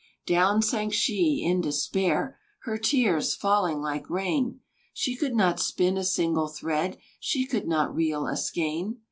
Down sank she in despair, Her tears falling like rain; She could not spin a single thread, She could not reel a skein.